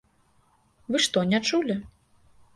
Вы што, не чулі?